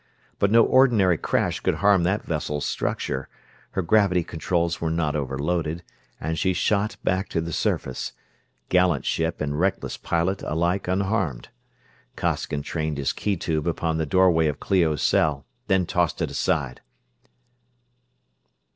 But no ordinary crash could harm that vessel's structure, her gravity controls were not overloaded, and she shot back to the surface; gallant ship and reckless pilot alike unharmed. Costigan trained his key tube upon the doorway of Clio's cell, then tossed it aside.